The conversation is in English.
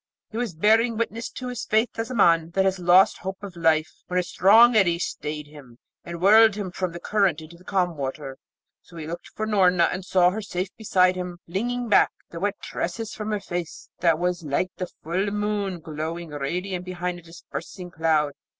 He was bearing witness to his faith as a man that has lost hope of life, when a strong eddy stayed him, and whirled him from the current into the calm water. So he looked for Noorna, and saw her safe beside him flinging back the wet tresses from her face, that was like the full moon growing radiant behind a dispersing cloud.